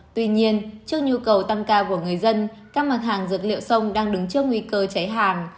tuy nhiên trước nhu cầu tăng cao của người dân các mặt hàng dược liệu sông đang đứng trước nguy cơ cháy hàng